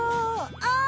ああ！